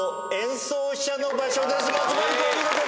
松丸君お見事です。